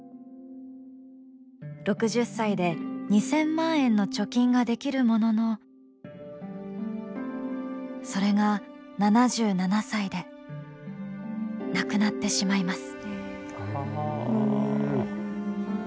６０歳で２０００万円の貯金ができるもののそれが７７歳でなくなってしまいます。